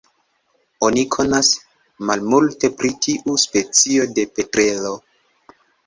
Oni konas malmulte pri tiu specio de petrelo.